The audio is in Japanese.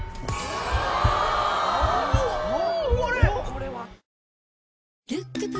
これは。